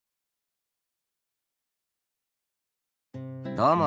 どうも！